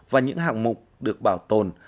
và những hạng mục được bảo tồn